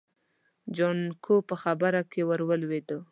جانکو په خبره کې ور ولوېد.